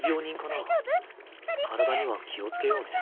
体には気をつけようね。